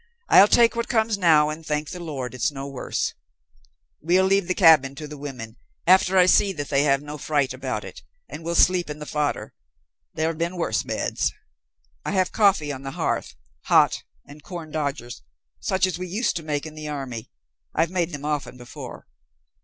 I'll take what comes now and thank the Lord it's no worse. We'll leave the cabin to the women, after I see that they have no fright about it, and we'll sleep in the fodder. There have been worse beds." "I have coffee on the hearth, hot, and corn dodgers such as we used to make in the army. I've made them often before."